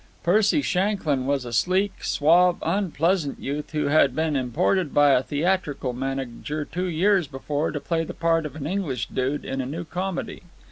Percy Shanklyn was a sleek, suave, unpleasant youth who had been imported by a theatrical manager two years before to play the part of an English dude in a new comedy.